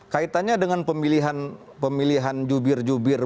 kaitannya dengan pemilihan jubir jubir